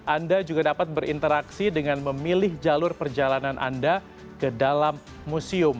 anda juga dapat berinteraksi dengan memilih jalur perjalanan anda ke dalam museum